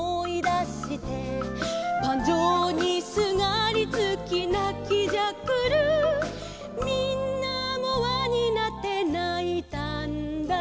「バンジョーにすがりつきなきじゃくる」「みんなもわになってないたんだ」